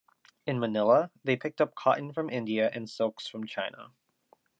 In Manila, they picked up cotton from India and silks from China.